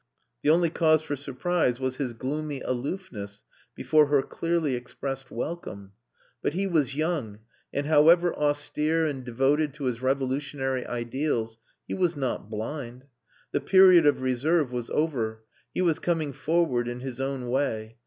The only cause for surprise was his gloomy aloofness before her clearly expressed welcome. But he was young, and however austere and devoted to his revolutionary ideals, he was not blind. The period of reserve was over; he was coming forward in his own way.